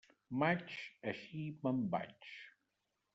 Maig, així me'n vaig.